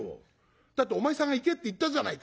「だってお前さんが行けって言ったじゃないか」。